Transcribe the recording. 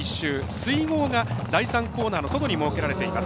水ごうが第３コーナーの外に設けられています。